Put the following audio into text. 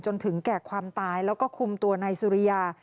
จนถึงแก่ความตายแล้วก็คุมตัวนายสุริยา